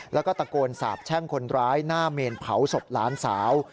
แล้วก็ตะโกนสาบแช่งคนร้ายหน้าเมนเผาศพหลานสาว